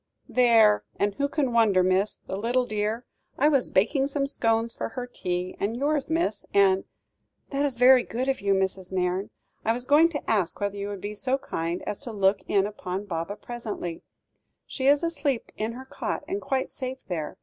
"There! and who can wonder, miss. The little dear! I was baking some scones for her tea and yours, miss, and " "That is very good of you, Mrs. Nairne. I was going to ask whether you would be so kind as to look in upon Baba presently; she is asleep in her cot, and quite safe there.